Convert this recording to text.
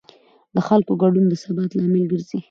د خلکو ګډون د ثبات لامل ګرځي